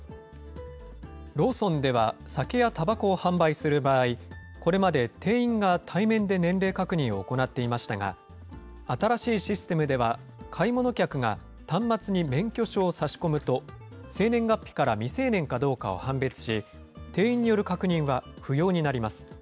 ローソンでは酒やたばこを販売する場合、これまで店員が対面で年齢確認を行っていましたが、新しいシステムでは、買い物客が端末に免許証をさし込むと、生年月日から未成年かどうかを判別し、店員による確認は不要になります。